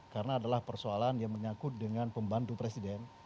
karena adalah persoalan yang menyakut dengan pembantu presiden